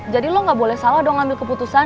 jadi lo gak boleh salah dong ambil keputusan